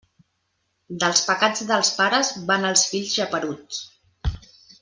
Dels pecats dels pares van els fills geperuts.